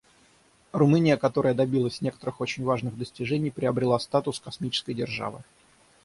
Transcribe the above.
Румыния, которая добилась некоторых очень важных достижений, приобрела статус космической державы.